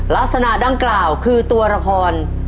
ลักษณะดังกล่าวคือตัวละคร